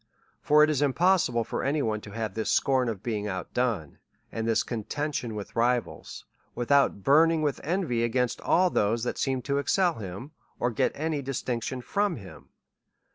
For it is impossible for any one to have this scorn of being out done^ and this conten tion with rivals, without burning with envy against ail those that seem to excel him, or get any distinction from him.